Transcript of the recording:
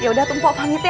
yaudah tuh empok pamit ya